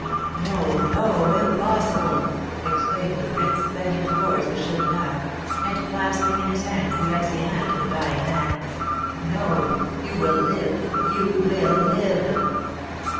"No, no! Impossible!" exclaimed the prince, bending towards the Chourineur, and clasping in his hands the icy hand of the dying man, "no you will live you will live!"